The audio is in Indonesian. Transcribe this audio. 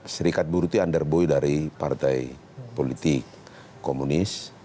serikat buruh itu under boy dari partai politik komunis